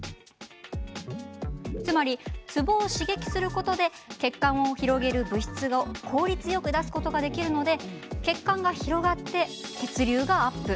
つまり、ツボを刺激することで血管を広げる物質を効率よく出すことができるので血管が広がって血流がアップ。